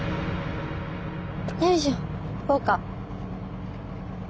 よいしょこうか。